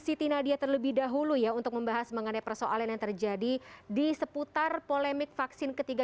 siti nadia terlebih dahulu ya untuk membahas mengenai persoalan yang terjadi di seputar polemik vaksin ketiga